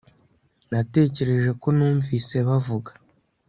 Natekereje ko numvise bavuga